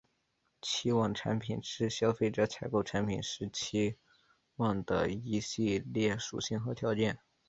期望产品是消费者采购产品时期望的一系列属性和条件。